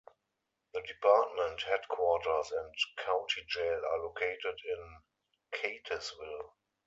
The department headquarters and county jail are located in Keytesville.